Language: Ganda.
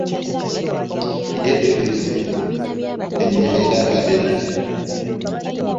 Yetegereza ennyama ya Abena.